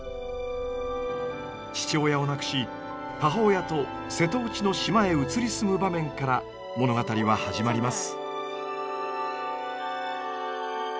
父親を亡くし母親と瀬戸内の島へ移り住む場面から物語は始まります。